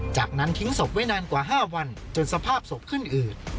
จากนั้นทิ้งศพไว้นานกว่า๕วันจนสภาพศพขึ้นอืด